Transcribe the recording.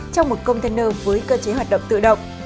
trong một container với cơ chế hoạt động tự động